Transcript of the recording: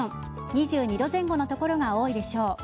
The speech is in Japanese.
２２度前後の所が多いでしょう。